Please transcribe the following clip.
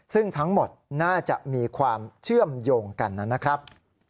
ซึ่งทั้งหมดน่าจะมีความเชื่อมโยงกันนะครับ